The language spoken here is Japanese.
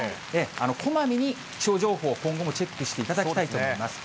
こまめに気象情報、今後もチェックしていただきたいと思います。